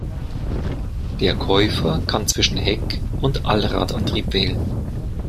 Der Käufer kann zwischen Heck- und Allradantrieb wählen.